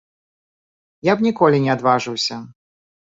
Я б ніколі не адважыўся.